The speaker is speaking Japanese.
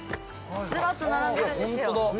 ずらっと並んでるんですよ。